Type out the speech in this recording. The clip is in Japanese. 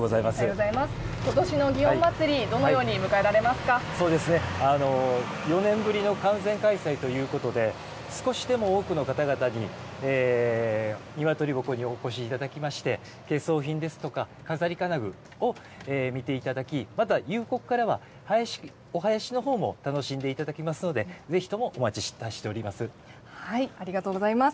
ことしの祇園祭、どのように４年ぶりの完全開催ということで、少しでも多くの方々に鶏鉾にお越しいただきまして、や飾り金具を見ていただき、また、夕刻からは、お囃子のほうも楽しんでいただきますのでぜひともお待ちいたしてありがとうございます。